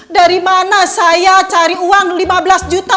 dari mana saya cari uang lima belas juta